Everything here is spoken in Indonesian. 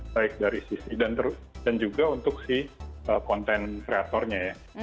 baik dari sisi dan juga untuk si konten kreatornya ya